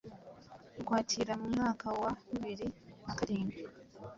Ukwakira mu mwaka wa bibiri na karindwi